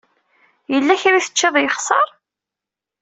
Yella kra ay tecciḍ yexṣer?